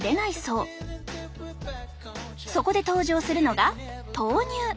そこで登場するのが豆乳。